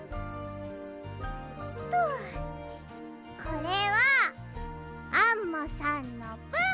これはアンモさんのぶん！